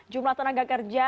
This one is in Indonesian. jumlah tenaga kerja